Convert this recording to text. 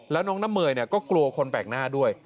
แล้วน้องน้ำเมยก็กลัวคนแปลกหน้าด้วย